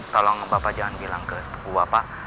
tolong bapak jangan bilang ke ibu bapak